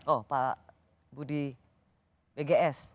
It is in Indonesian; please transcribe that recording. oh pak budi bgs